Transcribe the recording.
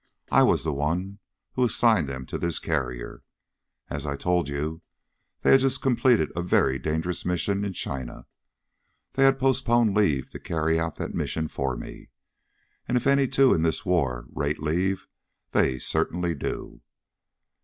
I was the one who assigned them to this carrier. As I told you, they had just completed a very dangerous mission in China. They had postponed leave to carry out the mission for me. And if any two in this war rate leave, they certainly do.